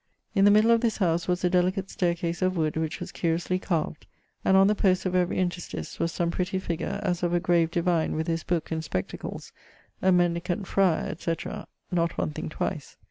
In the middle of this howse was a delicate staire case of wood, which was curiously carved, and on the posts of every interstice was some prettie figure, as of a grave divine with his booke and spectacles, a mendicant friar, &c. (not one thing twice).